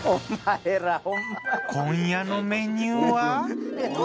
今夜のメニューは。